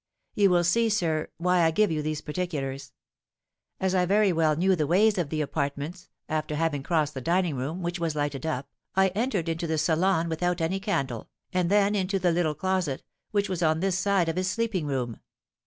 You will see, sir, why I give you these particulars. As I very well knew the ways of the apartments, after having crossed the dining room, which was lighted up, I entered into the salon without any candle, and then into the little closet, which was on this side of his sleeping room.